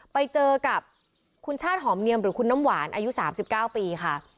ไปเจอกับคุณชาติหอมเนียมหรือคุณน้ำหวานอายุ๓๙ปีค่ะ